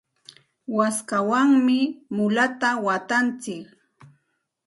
waskawanmi mulata watantsik.